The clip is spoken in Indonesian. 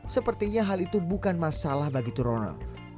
sepertinya hal itu bukan masalah bagi turono